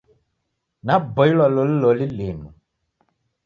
Naboilwa loli loli linu.